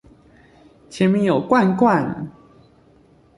前面有罐罐！